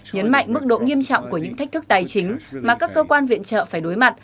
nhấn mạnh mức độ nghiêm trọng của những thách thức tài chính mà các cơ quan viện trợ phải đối mặt